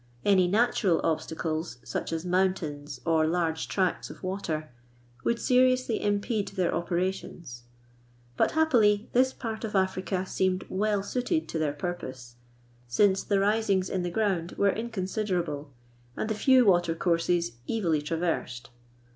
Any natural obstacles, such as mountains or large tracts of water, would seriously impede their operations ; but hap pily, this part of Africa seemed well suited to their purpose, since the risings in the ground were inconsiderable, and the few watercourses easily traversed.